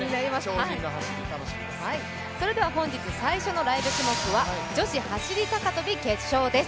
それでは本日最初のライブ種目は女子走高跳決勝です。